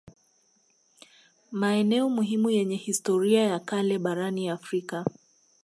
Maeneo muhimu yenye historia ya kale barani Afrika